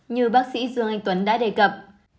như bác sĩ dương anh tuấn đã đề cập